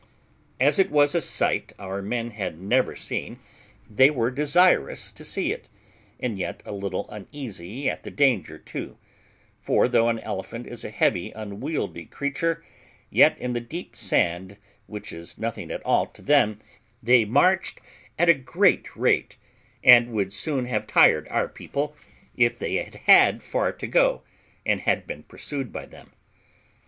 As it was a sight our men had never seen, they were desirous to see it, and yet a little uneasy at the danger too; for though an elephant is a heavy unwieldy creature, yet in the deep sand, which is nothing at all to them, they marched at a great rate, and would soon have tired our people, if they had had far to go, and had been pursued by them.